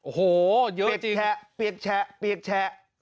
โอ้โหเยอะจริงเปรียกแชะเปรียกแชะเปรียกแชะ